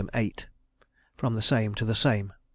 _From the Same to the Same.